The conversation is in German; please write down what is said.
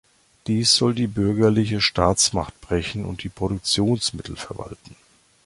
Dies soll die bürgerliche Staatsmacht brechen und die Produktionsmittel verwalten.